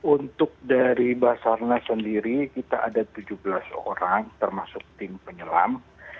untuk dari basarnas sendiri kita ada tujuh belas orang termasuk tim penyelam